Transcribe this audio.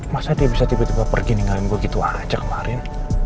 masa dia bisa tiba tiba pergi ninggalin begitu aja kemarin